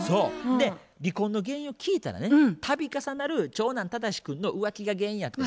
で離婚の原因を聞いたらね度重なる長男忠志君の浮気が原因やってん。